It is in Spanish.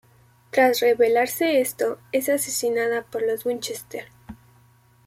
Tras revelarse esto es asesinada por los Winchester.